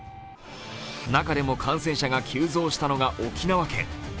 中でも感染者が急増したのが沖縄県。